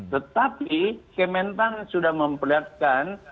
tetapi kementang sudah memperlihatkan